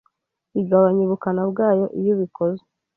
igabanya ubukana bwayo iyo ubikoze